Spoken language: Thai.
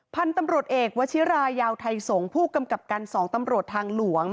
พันธุ์ตำรวจเอกวชิรายาวไทยสงศ์ผู้กำกับการ๒ตำรวจทางหลวง